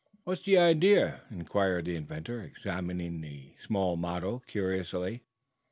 "What's the idea?" inquired the inventor, examining the small model curiously.